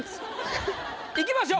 いきましょう。